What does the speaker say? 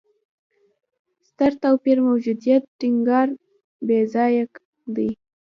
ستر توپیر موجودیت ټینګار بېځایه دی.